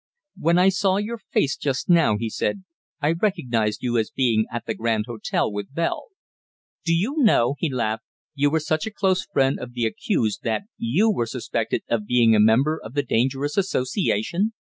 "When I saw your face just now," he said, "I recognized you as being at the Grand Hotel with Bell. Do you know," he laughed, "you were such a close friend of the accused that you were suspected of being a member of the dangerous association!